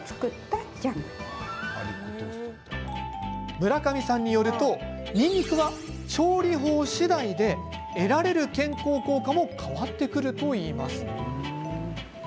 村上さんによるとにんにくは調理法次第で得られる健康効果も変わってくるといいます。